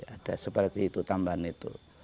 ada seperti itu tambahan itu